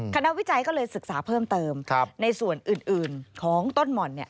วิจัยก็เลยศึกษาเพิ่มเติมในส่วนอื่นของต้นหม่อน